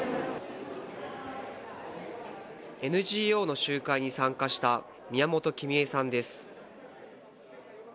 ＮＧＯの集会に参加した、宮本季美枝さんです。